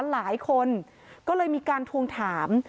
หลายคนก็เลยมีการทวงถาม